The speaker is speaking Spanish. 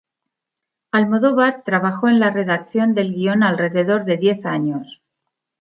Almodóvar trabajó en la redacción del guion alrededor de diez años.